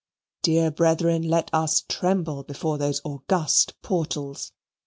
Dear brethren, let us tremble before those august portals.